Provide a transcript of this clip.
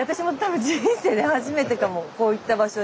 こういった場所に。